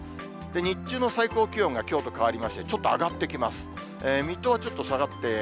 日中の最高気温がきょうと変わりまして、ちょっと上がってきます。